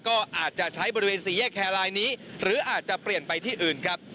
ก็อาจจะใช้บริเวณสี่แยกแครลายนี้หรืออาจจะเปลี่ยนไปที่อื่นครับ